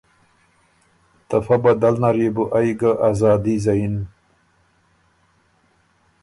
ته فۀ بدل نر يې بو ائ ګۀ ازادي زیِن